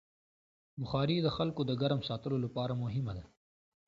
بخاري د خلکو د ګرم ساتلو لپاره مهمه ده.